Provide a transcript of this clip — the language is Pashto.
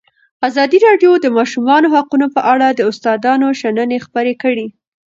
ازادي راډیو د د ماشومانو حقونه په اړه د استادانو شننې خپرې کړي.